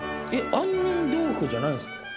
杏仁豆腐じゃないんですか？